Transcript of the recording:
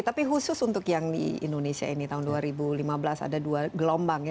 tapi khusus untuk yang di indonesia ini tahun dua ribu lima belas ada dua gelombang ya